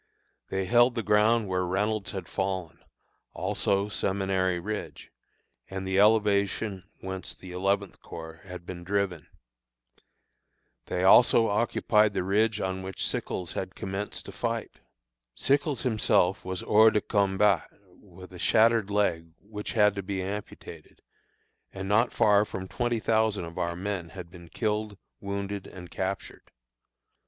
They held the ground where Reynolds had fallen, also Seminary Ridge, and the elevation whence the Eleventh Corps had been driven. They also occupied the ridge on which Sickles had commenced to fight. Sickles himself was hors de combat, with a shattered leg which had to be amputated, and not far from twenty thousand of our men had been killed, wounded, and captured!